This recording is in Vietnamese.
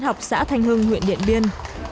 học xã thanh hưng huyện điện biên